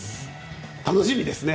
楽しみですね。